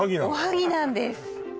おはぎなんです